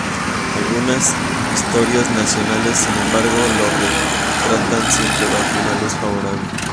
Algunas historias nacionales, sin embargo, lo retratan siempre bajo una luz favorable.